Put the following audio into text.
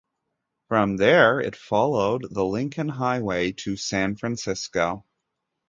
From there, it followed the Lincoln Highway to San Francisco.